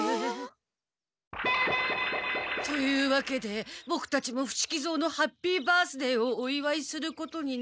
というわけでボクたちも伏木蔵のハッピー・バースデーをおいわいすることになり。